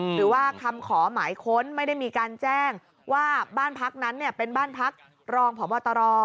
หรือว่าคำขอหมายค้นไม่ได้มีการแจ้งว่าบ้านพักนั้นเป็นบ้านพักรองพบตร